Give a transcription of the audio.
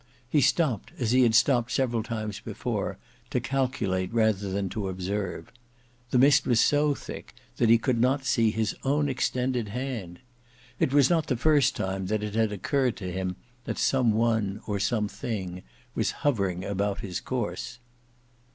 He stopped, as he had stopped several times before, to calculate rather than to observe. The mist was so thick that he could not see his own extended hand. It was not the first time that it had occurred to him that some one or something was hovering about his course.